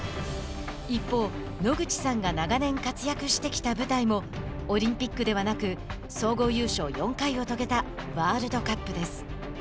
一方、野口さんが長年活躍してきた舞台もオリンピックではなく総合優勝４回を遂げたワールドカップです。